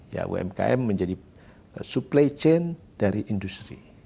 ya umkm menjadi supply chain dari industri